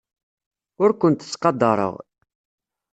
Ur kent-ttqadareɣ.